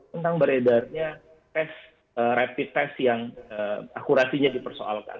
tentang beredarnya tes rapid test yang akurasinya dipersoalkan